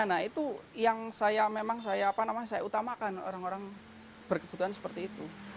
nah itu yang memang saya utamakan orang orang berkebutuhan seperti itu